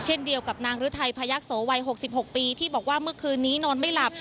เช่นเดียวกับนางฤทัยพยักษ์วัย๖๖ปีที่บอกว่าเมื่อคืนนี้นอนไม่หลับ